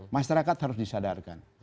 masyarakat harus disadarkan